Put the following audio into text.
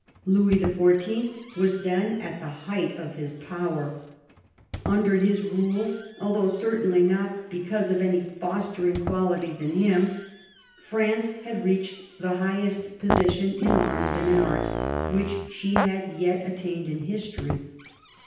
Louis the Fourteenth was then at the height of his power. Under his rule, although certainly not be cause of any fostering qualities in him, France had reached the highest position in arms and in arts which she had yet attained in history.